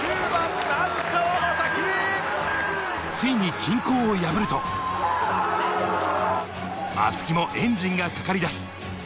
ついに均衡を破ると、松木もエンジンがかかり出す。